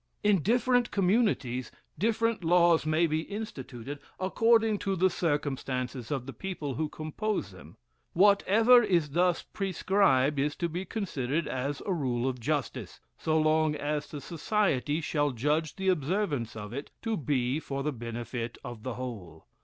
In different communities, different laws may be instituted, according to the circumstances of the people who compose them. Whatever is thus prescribed is to be considered as a rule of justice, so long as the society shall judge the observance of it to be for the benefit of the whole.